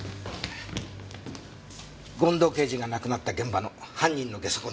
権藤刑事が亡くなった現場の犯人のゲソ痕だ。